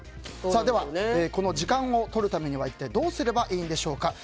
では、時間をとるためには一体どうすればいいんでしょうか。